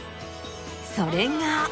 それが。